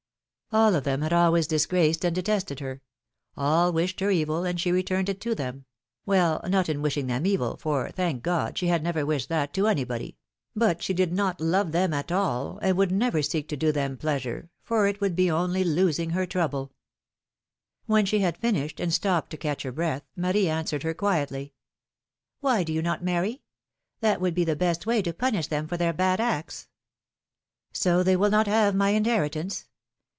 All of them had always disgraced and detested her; all wished her evil, and she returned it to them — well, not in wishing them evil, for, thank God, she had never wished that to anybody — but she did not love them at all, and would never seek to do them pleasure, for it would be only losing her trouble. 86 piiilomene's makriages. When slie had finished, and stopped to catch her breath, Marie answered her, quietly : Why do you not marry? That would be the best way to punish them for their bad acts/^ So they will not have my inheritance